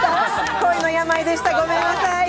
恋の病でした、ごめんなさい。